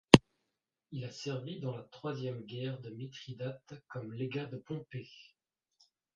Il a servi dans la troisième guerre de Mithridate comme légat de Pompée.